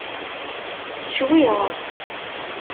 Ccwi!